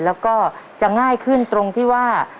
แล้วก็จะง่ายขึ้นตรงที่ว่า